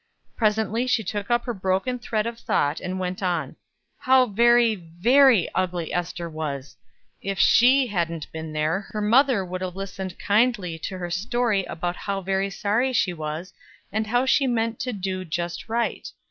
Presently she took up her broken thread of thought, and went on: How very, very ugly Ester was; if she hadn't been there, her mother would have listened kindly to her story of how very sorry she was, and how she meant to do just right.